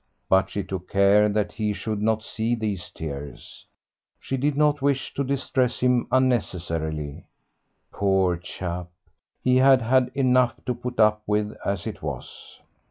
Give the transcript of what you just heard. But she took care that he should not see these tears; she did not wish to distress him unnecessarily. Poor chap! he had enough to put up with as it was.